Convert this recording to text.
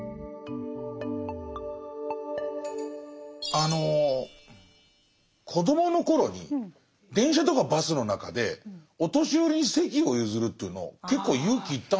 あの子どもの頃に電車とかバスの中でお年寄りに席を譲るというの結構勇気いったんですよ。